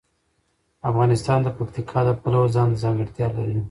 افغانستان د پکتیکا د پلوه ځانته ځانګړتیا لري.